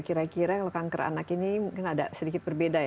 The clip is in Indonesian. kira kira kalau kanker anak ini mungkin ada sedikit berbeda ya